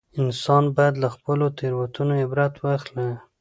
انسان باید له خپلو تېروتنو عبرت واخلي